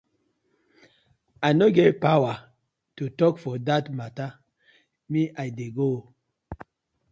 I no get powaar to tok for dat matta, me I dey go.